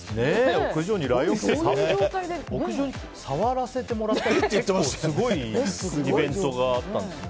屋上にライオンいて触らせてもらったって結構すごいイベントがあったんですね。